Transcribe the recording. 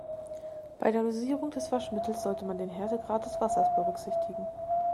Bei der Dosierung des Waschmittels sollte man den Härtegrad des Wassers berücksichtigen.